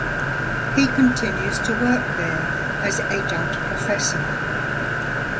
He continues to work there as Adjunct Professor.